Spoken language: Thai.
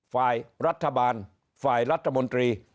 ฝ่ายรัฐบาลฝ่ายรัฐมนตรี